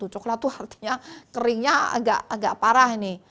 coklat itu artinya keringnya agak parah nih